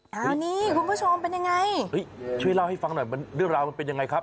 อันนี้คุณผู้ชมเป็นยังไงช่วยเล่าให้ฟังหน่อยมันเรื่องราวมันเป็นยังไงครับ